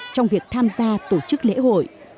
trong việc tham gia tổ chức lễ hội